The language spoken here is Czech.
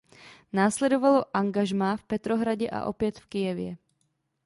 Následovalo angažmá v Petrohradě a opět v Kyjevě.